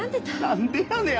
何でやねや！？